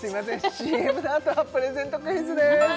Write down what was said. ＣＭのあとはプレゼントクイズです